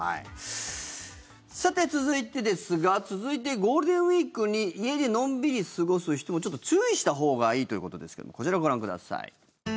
さて、続いてですが続いてゴールデンウィークに家でのんびり過ごす人もちょっと注意したほうがいいということですけどもこちらご覧ください。